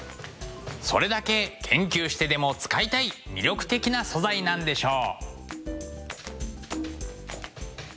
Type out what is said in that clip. それだけ研究してでも使いたい魅力的な素材なんでしょう！